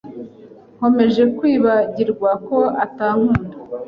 Nkomeje kwibagirwa ko utankunda.